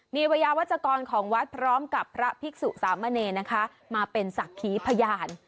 มีวัยวัชกรของวัดพร้อมกับพระภิกษุสามเณรนะคะมาเป็นศักดิ์ขีพยาน